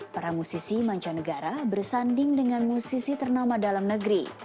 para musisi mancanegara bersanding dengan musisi ternama dalam negeri